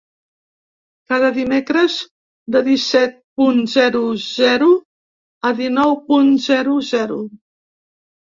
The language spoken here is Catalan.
Cada dimecres de disset punt zero zero a dinou punt zero zero.